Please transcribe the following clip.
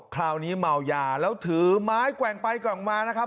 คราวนี้เมายาแล้วถือไม้แกว่งไปแกว่งมานะครับ